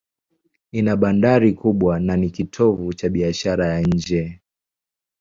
Ina bandari kubwa na ni kitovu cha biashara ya nje.